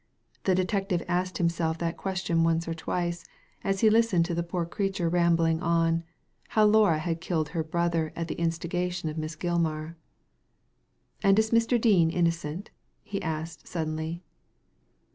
The detective asked himself that question once or twic^ as he listened to the poor creature rambling on, how Laura had killed her brother at the instigation of Miss Gilmar. "And is Mr. Dean innocent?" he asked suddenly.